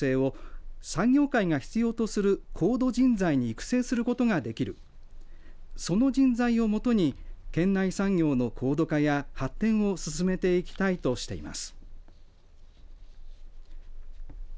育成課は山形大学と連携することで産業技術短期大学校の修了生を産業界が必要とする高度人材に育成することができるその人材をもとに県内産業の高度化や発展を進めていきたいとしています。